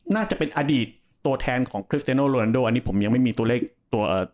น่าจะเป็นอดีตตัวแทนของอันนี้ผมยังไม่มีตัวเลขตัวเอ่อ